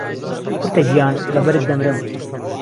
کورته گیان له بهرت دهمرم